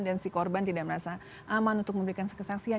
dan si korban tidak merasa aman untuk memberikan saksian